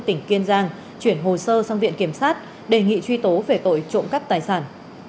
tỉnh kiên giang chuyển hồ sơ sang viện kiểm sát đề nghị truy tố về tội trộm cắp tài sản